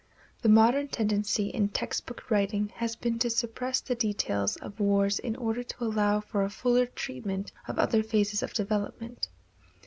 The modern tendency in text book writing has been to suppress the details of wars in order to allow for a fuller treatment of other phases of development.